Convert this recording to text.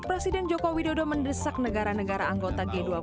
presiden joko widodo mendesak negara negara anggota g dua puluh